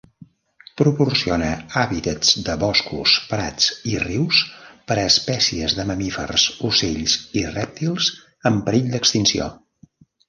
Proporciona hàbitats de boscos, prats i rius per a espècies de mamífers, ocells i rèptils en perill d'extinció.